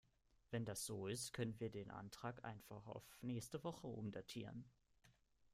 Wenn das so ist, können wir den Antrag einfach auf nächste Woche umdatieren.